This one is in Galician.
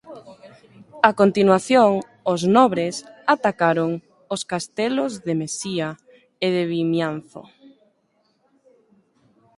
A continuación os nobres atacaron os castelos de Mesía e de Vimianzo.